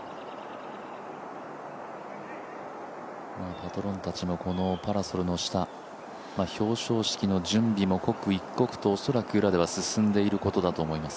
パトロンたちのこのパラソルの下、表彰式の準備も刻一刻とおそらく裏では進んでいることだと思います。